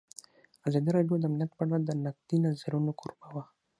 ازادي راډیو د امنیت په اړه د نقدي نظرونو کوربه وه.